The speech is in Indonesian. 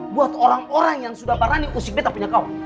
buat orang orang yang sudah parani usik beta punya kaw